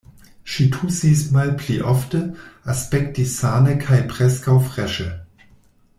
Ŝi tusis malpli ofte, aspektis sane kaj preskaŭ freŝe.